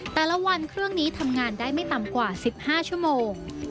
แต่ละวันเครื่องนี้ทำงานได้ไม่ต่ำกว่า๑๕ชั่วโมง